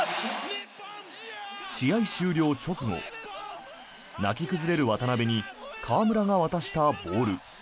試合終了直後泣き崩れる渡邊に河村が渡したボール。